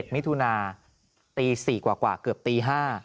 มิถุนาตี๔กว่าเกือบตี๕